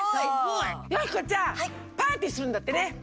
よき子ちゃんパーティーするんだってね。